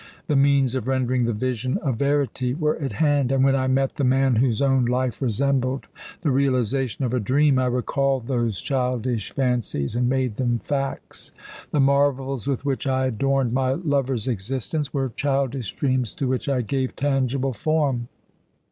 The means of rendering the vision a verity were at hand; and when I met the man whose own life resembled the realization of a dream, I recalled those childish fancies and made them facts. The marvels with which I adorned my lover's existence were childish dreams to which I gave tangible form.